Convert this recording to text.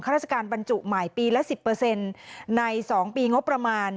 ค่าราชการบรรจุใหม่ปีละสิบเปอร์เซ็นต์ในสองปีงบประมาณ